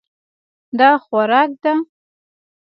دا خوراک ده.